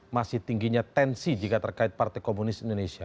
masih tingginya tensi jika terkait partai komunis indonesia